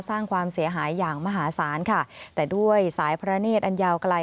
สร้างความเสียหายอย่างมหาศาลค่ะแต่ด้วยสายพระเนธอันยาวไกล